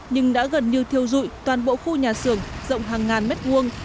nhưng đã gần như thiêu dụi toàn bộ khu nhà xưởng rộng hàng ngàn mét vuông